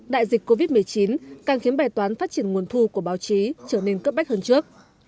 đại dịch covid một mươi chín càng khiến bài toán phát triển nguồn thu của báo chí trở nên cấp bách hơn trước